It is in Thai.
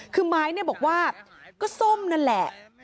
คือไม้บอกว่าก็ส้มนั่นแหละ